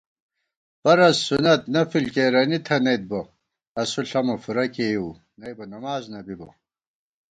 فَرض، سُنت، نَفِل کېرَنی تھنَئیت بہ اسُو ݪَمہ فُورہ کېیؤ، نئیبہ نماڅ نہ بِبہ